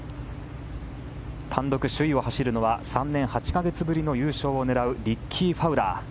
単独首位を走るのは３年８か月ぶりの優勝を狙うリッキー・ファウラー。